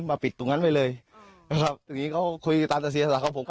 แล้วผมก็ปิดตรงนั้นไปเลยตรงนี้เค้าคุยตามตาเสียศาสตร์ครับผม